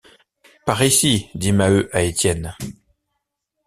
Par ici, dit Maheu à Étienne.